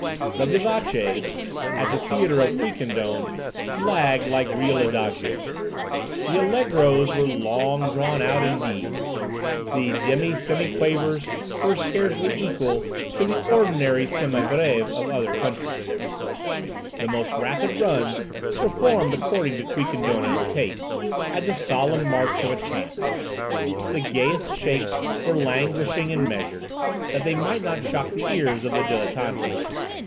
The vivaces, at the theatre of Quiquendone, lagged like real adagios. The allegros were "long drawn out" indeed. The demisemiquavers were scarcely equal to the ordinary semibreves of other countries. The most rapid runs, performed according to Quiquendonian taste, had the solemn march of a chant. The gayest shakes were languishing and measured, that they might not shock the ears of the dilettanti.